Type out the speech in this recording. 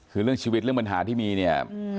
คือเรื่องชีวิตเรื่องปัญหาที่มีเนี่ย